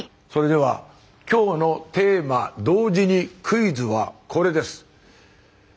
それでは今日のテーマ同時にクイズはこれです。